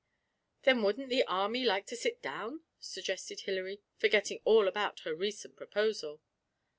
'Then wouldn't the army like to sit down?' suggested Hilary, forgetting all about her recent proposal.